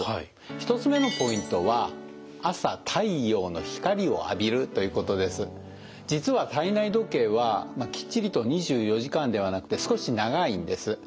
１つ目のポイントは実は体内時計はきっちりと２４時間ではなくて少し長いんです。